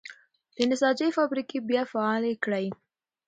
د نساجۍ فابریکې بیا فعالې کړئ.